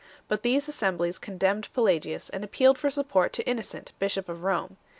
Both these assemblies condemned Pelagius, and appealed for support to Innocent, bishop of Rome 4